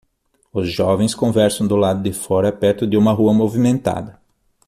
Os jovens conversam do lado de fora perto de uma rua movimentada.